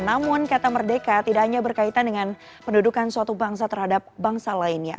namun kata merdeka tidak hanya berkaitan dengan pendudukan suatu bangsa terhadap bangsa lainnya